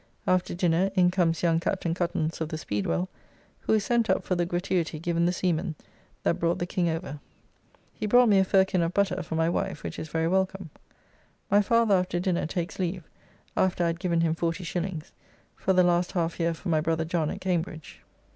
After dinner in comes young Captain Cuttance of the Speedwell, who is sent up for the gratuity given the seamen that brought the King over. He brought me a firkin of butter for my wife, which is very welcome. My father, after dinner, takes leave, after I had given him 40s. for the last half year for my brother John at Cambridge.